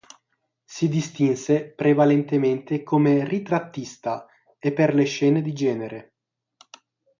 Si distinse prevalentemente come ritrattista, e per le scene di genere.